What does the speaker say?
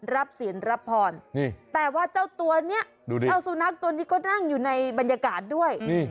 รับศีลรับพรนี่แต่ว่าเจ้าตัวเนี้ยดูดิเอาสุนัขตัวนี้ก็นั่งอยู่ในบรรยากาศด้วยนี่